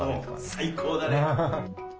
最高だね。